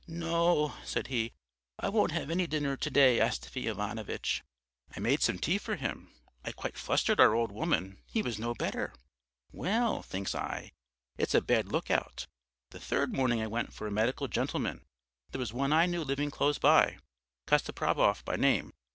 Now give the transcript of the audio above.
'No,' said he, 'I won't have any dinner to day, Astafy Ivanovitch.' "I made some tea for him, I quite flustered our old woman he was no better. Well, thinks I, it's a bad look out! The third morning I went for a medical gentleman. There was one I knew living close by, Kostopravov by name.